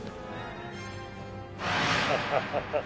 ハハハハ！